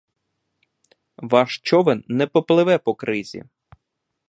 Ваш човен не попливе по кризі.